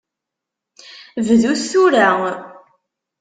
Bdut tura.